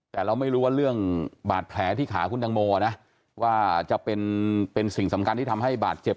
แต่เราไม่รู้ว่าเรื่องบาดแผลที่ขาคุณตังโมนะว่าจะเป็นสิ่งสำคัญที่ทำให้บาดเจ็บ